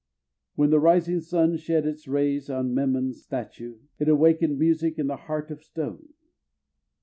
When the rising sun shed its rays on Memnon's statue it awakened music in the heart of stone.